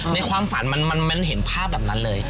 ในความฝันมันเห็นภาพแบบนั้นเลย